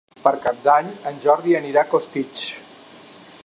Per Cap d'Any en Jordi anirà a Costitx.